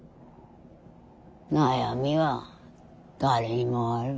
悩みは誰にもある。